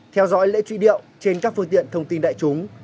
theo dõi lễ truy điệu trên các phương tiện thông tin đại chúng